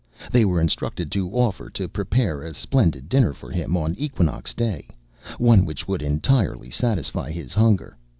They were instructed to offer to prepare a splendid dinner for him on equinox day,—one which would entirely satisfy his hunger.